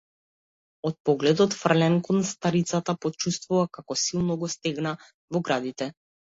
Од погледот фрлен кон старицата, почувствува како силно го стегна во градите.